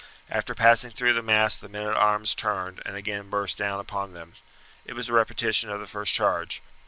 After passing through the mass the men at arms turned and again burst down upon them. It was a repetition of the first charge.